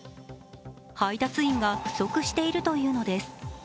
配達員が不足しているというのです。